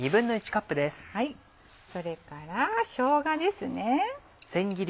それからしょうがですね。